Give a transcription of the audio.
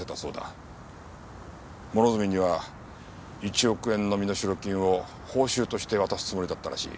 諸角には１億円の身代金を報酬として渡すつもりだったらしい。